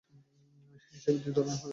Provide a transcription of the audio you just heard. HIV দুই ধরনের হয়ে থাকে।